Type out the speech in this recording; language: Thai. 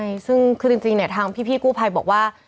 ใช่ซึ่งคือจริงเนี่ยทางพี่กู้ภัยบอกว่า